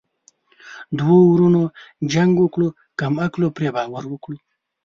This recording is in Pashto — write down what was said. دوه ورونو جنګ وکړو کم عقلو پري باور وکړو.